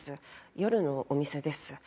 夜のお店です。